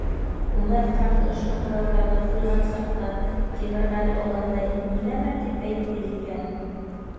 Үмәр ҡарт ошо һорауҙарҙы ҡуйған саҡта, Тимерғәле олатай ни нәмә тип әйтте икән?